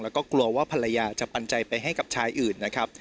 แล้วก็กลัวว่าภรรยาจะปันใจไปให้กับชายอื่นนะครับ